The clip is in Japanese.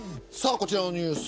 こちらのニュース。